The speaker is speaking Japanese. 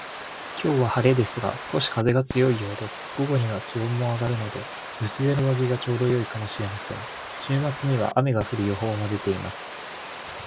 今日は晴れていますが、少し風が強いようです。午後には気温も上がるので、薄手の上着がちょうど良いかもしれません。週末には雨が降る予報も出ています